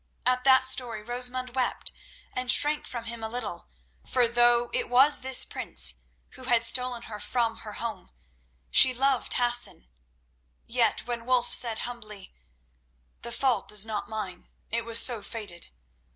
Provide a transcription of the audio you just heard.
At that story Rosamund wept and shrank from him a little, for though it was this prince who had stolen her from her home, she loved Hassan. Yet when Wulf said humbly: "The fault is not mine; it was so fated.